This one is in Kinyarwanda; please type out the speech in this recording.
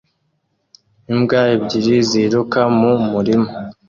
Imbwa ebyiri ziruka mu murima